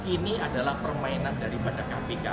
ini adalah permainan dari badan kpk